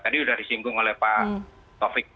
tadi sudah disinggung oleh pak taufik